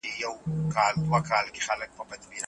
ستونزو ته غوږ نیول د پلار دنده ده ترڅو کورنۍ کې آرام وي.